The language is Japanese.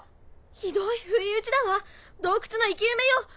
ひどい不意打ちだわ洞窟の生き埋めよ！